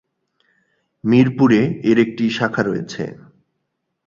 মিরপুরে এর একটি শাখা রয়েছে।